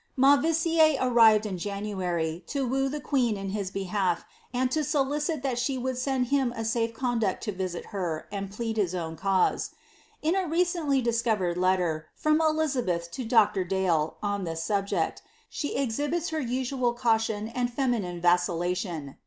Mauvissiere arrived in January, to woo the queen in his behalf, and tj solicit that she would send him a safe con duct to visit her, and plead his own cause. In a recently discovered letter, from Elizabeth to Dr. Dale,' on this subject, she exhibits her usual caution and feminine vacillation.